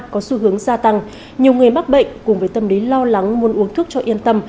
có xu hướng gia tăng nhiều người mắc bệnh cùng với tâm lý lo lắng muốn uống thuốc cho yên tâm